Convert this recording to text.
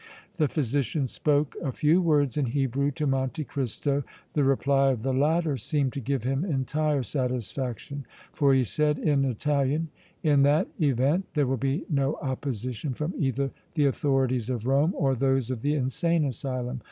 The physician spoke a few words in Hebrew to Monte Cristo. The reply of the latter seemed to give him entire satisfaction, for he said in Italian: "In that event there will be no opposition from either the authorities of Rome or those of the insane asylum.